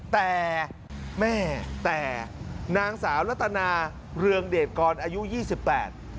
แต่แม่แต่นางสาวรัตนาเรืองเดชกรอายุยี่สิบแปด